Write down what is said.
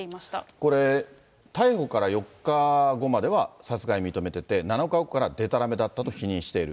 これ、逮捕から４日後までは殺害を認めてて、７日後からでたらめだったと否認している。